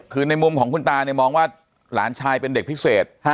คือในมุมของคุณตาเนี่ยมองว่าหลานชายเป็นเด็กพิเศษ